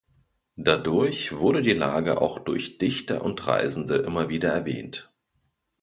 Dadurch wurde die Lage auch durch Dichter und Reisende immer wieder erwähnt.